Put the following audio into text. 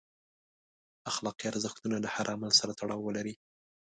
اخلاقي ارزښتونه له هر عمل سره تړاو ولري.